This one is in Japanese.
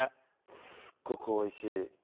すっごくおいしい。